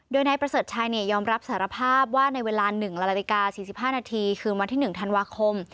โดยนายประเสริฐชัยยอมรับสารภาพว่าในเวลา๑นาฬิกา๔๕นาทีคืนวันที่๑ธันวาคม